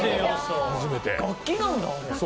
楽器なんだ、あれ。